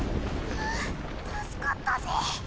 はぁ助かったぜ。